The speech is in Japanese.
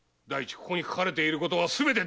ここに書かれていることはすべて伝聞。